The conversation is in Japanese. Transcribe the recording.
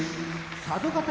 佐渡ヶ嶽